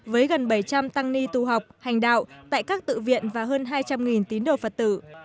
với gần bảy trăm linh tăng ni tu học hành đạo tại các tự viện và hơn hai trăm linh tín đồ phật tử